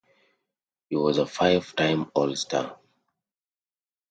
He was a five-time all star.